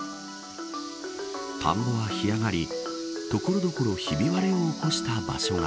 田んぼは干上がり所々ひび割れを起こした場所が。